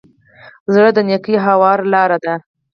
زړه د نېکۍ هواره لاره ده.